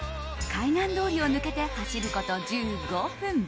海岸通りを抜けて走ること１５分。